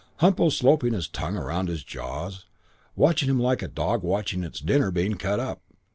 Humpo slopping his tongue round his jaws, watching him like a dog watching its dinner being cut up.